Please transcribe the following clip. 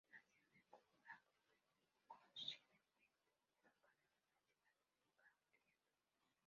Nacido en el condado de Lincolnshire, fue educado en la Universidad de Cambridge.